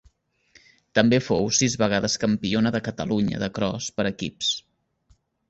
També fou sis vegades campiona de Catalunya de cros per equips.